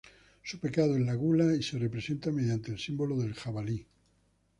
Su pecado es la Gula y se representa mediante el símbolo del Jabalí.